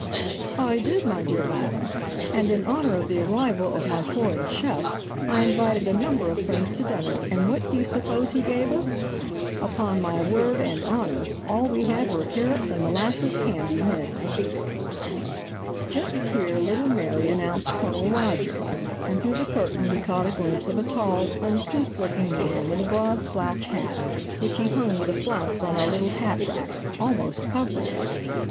"I did, my dear madam, and in honor of the arrival of my foreign chef, I invited a number of friends to dinner and what do you suppose he gave us? Upon my word and honor, all we had were carrots and molasses candy mixed!" Just here little Mary announced Colonel Rogers, and through the curtain we caught a glimpse of a tall, uncouth looking man, with a broad slouch hat, which he hung with a flounce on our little hat rack, almost covering it.